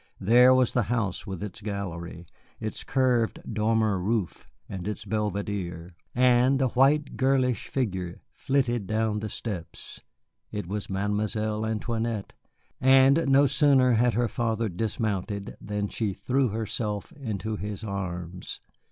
There was the house with its gallery, its curved dormer roof and its belvedere; and a white, girlish figure flitted down the steps. It was Mademoiselle Antoinette, and no sooner had her father dismounted than she threw herself into his arms.